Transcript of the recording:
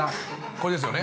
◆これですよね。